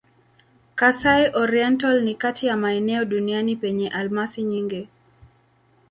Kasai-Oriental ni kati ya maeneo duniani penye almasi nyingi.